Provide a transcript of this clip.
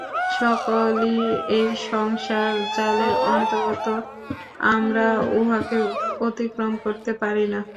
সকলই এই সংসার জালের অন্তর্গত, আমরা উহাকে অতিক্রম করিতে পারি না।